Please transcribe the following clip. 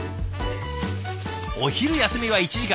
お昼休みは１時間。